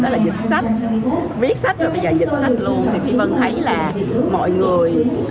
đó là dịch sách viết sách rồi bây giờ dịch sách luôn phi vân thấy là mọi người